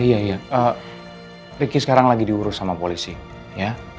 iya iya riki sekarang lagi diurus sama polisi ya